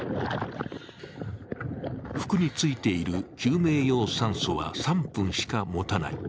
服についている救命用酸素は３分しかもたない。